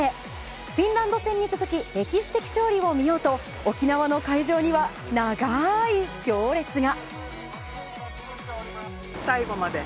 フィンランド戦に続き歴史的勝利を見ようと沖縄の会場には長い行列が。